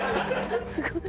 すごい。